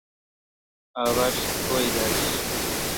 Awas: Kailash.